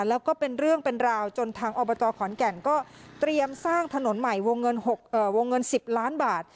แล้วก็เป็นเรื่องเป็นราวจนทางอบจขอนแก่นก็เตรียมสร้างถนนใหม่วงเงิน๑๐ล้านบาท